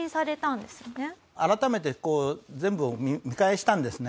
改めて全部を見返したんですね